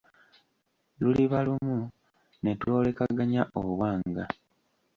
Luliba lumu ne twolekaganya obwanga.